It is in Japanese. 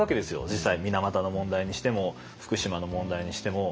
実際水俣の問題にしても福島の問題にしても。